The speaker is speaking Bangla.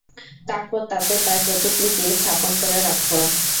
তারপর তাতে তার প্রতিকৃতি স্থাপন করে রাখত।